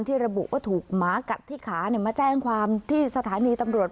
ระบุว่าถูกหมากัดที่ขามาแจ้งความที่สถานีตำรวจ